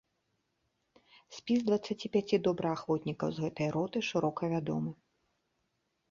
Спіс дваццаці пяці добраахвотнікаў з гэтай роты шырока вядомы.